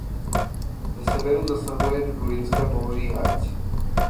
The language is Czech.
Ze severu zasahuje do Durynska pohoří Harz.